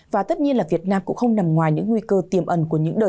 và tất nhiên là việt nam cũng không nằm ngoài những nguy cơ tiềm ẩn của những đợt